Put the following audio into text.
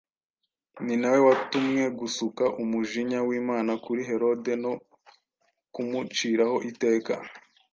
ni nawe watumwe gusuka umujinya w’Imana kuri Herode no kumuciraho iteka.